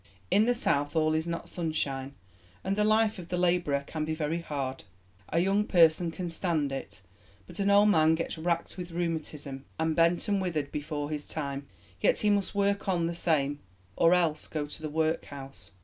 In the South all is not sunshine, and the life of the labourer can be very hard "a young person can stand it; but an old man gets racked with rheumatism, and bent and withered before his time; yet he must work on the same, or else go to the workhouse."